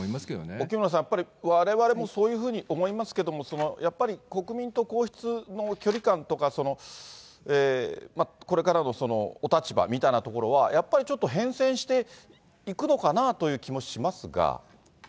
沖村さん、やっぱりわれわれもそういうふうに思いますけれども、やっぱり、国民と皇室の距離感とか、これからのお立場みたいなところは、やっぱりちょっと変遷して行くのかなという気もしますが。